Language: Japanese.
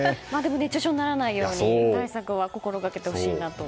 熱中症にならないように対策は心がけてほしいなと。